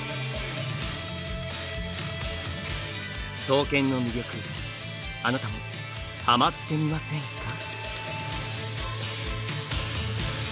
刀剣の魅力あなたもハマってみませんか？